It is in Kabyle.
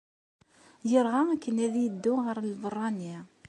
Yerɣa akken ad yeddu ɣer lbeṛṛani.